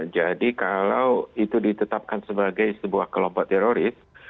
jadi kalau itu ditetapkan sebagai sebuah kelompok teroris